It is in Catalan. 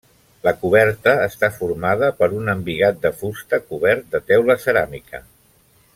La coberta està formada per un embigat de fusta cobert de teula ceràmica.